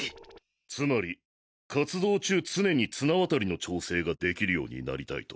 つまり活動中常に綱渡りの調整ができるようになりたいと。